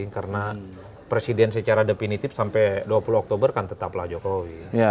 karena presiden secara definitif sampai dua puluh oktober kan tetaplah jokowi